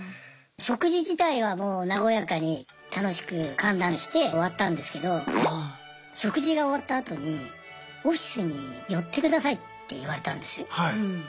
食事自体はもう和やかに楽しく歓談して終わったんですけど食事が終わったあとにオフィスに寄ってくださいって言われたんです。